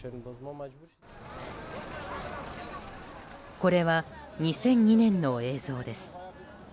これは２００２年の映像です。